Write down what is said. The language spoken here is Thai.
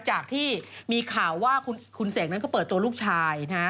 จากที่มีข่าวว่าคุณเสกนั้นก็เปิดตัวลูกชายนะฮะ